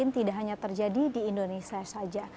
tidak hanya terjadi di indonesia saja